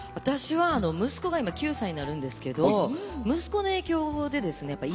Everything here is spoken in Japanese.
私は息子が今９歳になるんですけど息子の影響でですね